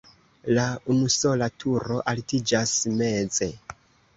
La unusola turo altiĝas meze.